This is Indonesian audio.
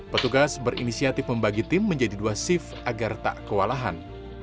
petugas berinisiatif membagi tim menjadi dua shift agar tak kewalahan